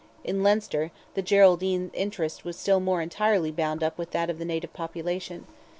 In Leinster, the Geraldine interest was still more entirely bound up with that of the native population.